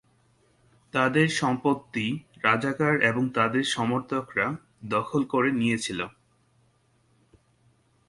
তাদের সম্পত্তি রাজাকার এবং তাদের সমর্থকরা দখল করে নিয়েছিল।